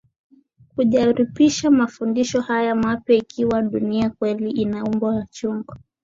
kujaribisha mafundisho haya mapya Ikiwa dunia kweli ina umbo la chungwa